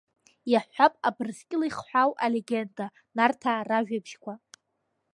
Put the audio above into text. Иаҳҳәап, Абрыскьыл ихҳәаау алегенда, Нарҭаа ражәабжьқәа.